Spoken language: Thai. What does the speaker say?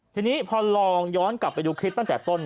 ทีนี้พอลองย้อนกลับไปดูคลิปตั้งแต่ต้น